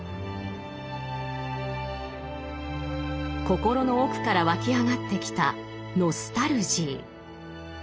心の奥から湧き上がってきたノスタルジー。